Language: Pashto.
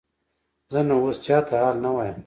زه نو اوس چاته حال نه وایم.